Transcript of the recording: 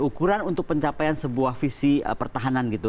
ukuran untuk pencapaian sebuah visi pertahanan gitu